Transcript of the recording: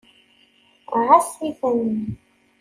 Ɛass-iten.